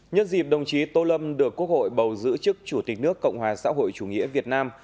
nhân dịp đồng chí tô lâm được quốc hội bầu giữ chức chủ tịch nước cộng hòa xã hội chủ nghĩa việt nam